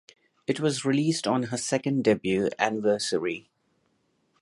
It was released on her second debut anniversary.